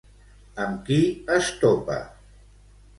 Amb qui es topa?